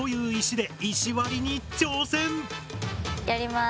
やります。